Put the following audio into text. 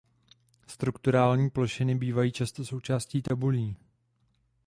Strukturní plošiny bývají často součástí tabulí.